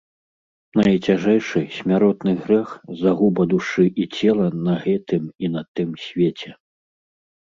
Найцяжэйшы, смяротны грэх, загуба душы і цела на гэтым і на тым свеце!